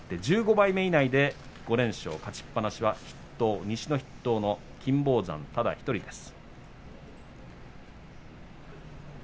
１５枚目以内で５連勝勝ちっぱなしは金峰山ただ１人です。